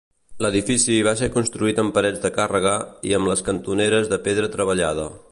L'edifici va ser construït amb parets de càrrega i amb les cantoneres de pedra treballada.